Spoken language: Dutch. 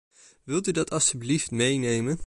Wilt u dat alstublieft meenemen.